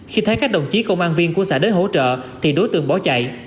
khi thấy các đồng chí công an viên của xã đến hỗ trợ thì đối tượng bỏ chạy